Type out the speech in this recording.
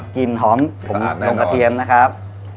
กลิ่นหอมของกระเทียมนะครับ